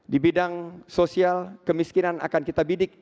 di bidang sosial kemiskinan akan kita bidik